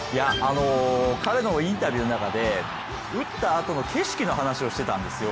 彼のインタビューの中で打ったあとの景色の話をしていたんですよ。